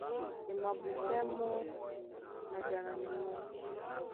E mabupɛ́ mɔ́ na jananɛ mɔ́,